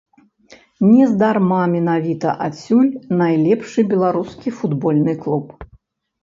Нездарма менавіта адсюль найлепшы беларускі футбольны клуб.